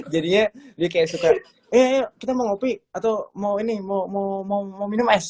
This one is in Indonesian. jadinya dia kayak suka eh kita mau ngopi atau mau ini mau minum es